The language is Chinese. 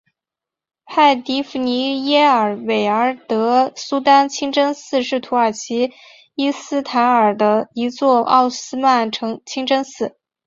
派蒂芙妮耶尔韦莱德苏丹清真寺是土耳其伊斯坦布尔的一座奥斯曼清真寺。